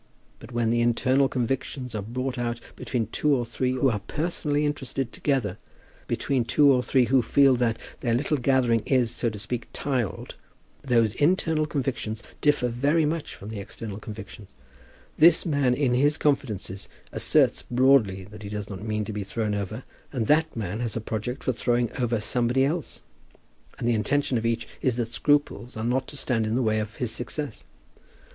But when the internal convictions are brought out between two or three who are personally interested together, between two or three who feel that their little gathering is, so to say, "tiled," those internal convictions differ very much from the external convictions. This man, in his confidences, asserts broadly that he does not mean to be thrown over, and that man has a project for throwing over somebody else; and the intention of each is that scruples are not to stand in the way of his success.